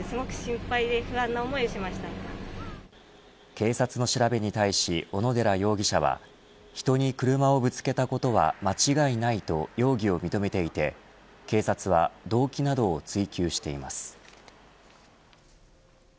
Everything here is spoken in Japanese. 警察の調べに対し小野寺容疑者は人に車をぶつけたことは間違いないと容疑を認めていて警察は動機などを追及しています。